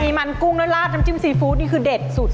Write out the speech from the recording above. มันกุ้งแล้วลาดน้ำจิ้มซีฟู้ดนี่คือเด็ดสุด